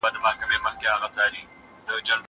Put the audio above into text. زه هره ورځ انځورونه رسم کوم!؟